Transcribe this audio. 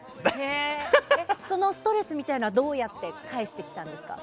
そのストレスみたいなのはどうやって返してきたんですか？